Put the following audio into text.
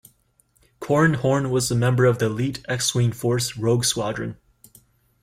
Corran Horn was a member of the elite X-wing force Rogue Squadron.